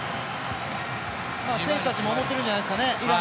イランの選手たちも思ってるんじゃないですかね